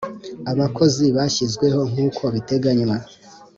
Abakozi bashyizweho nk uko biteganywa